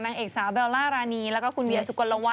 นางเอกสาวเบลล่ารานีแล้วก็คุณเวียสุกลวั